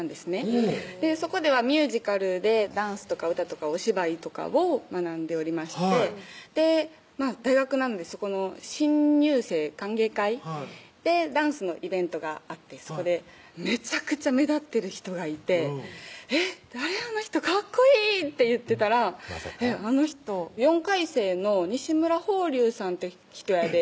そこではミュージカルでダンスとか歌とかお芝居とかを学んでおりまして大学なのでそこの新入生歓迎会でダンスのイベントがあってそこでめちゃくちゃ目立ってる人がいて「えっ誰？あの人かっこいい」って言ってたら「あの人４回生の西村峰龍さんって人やで」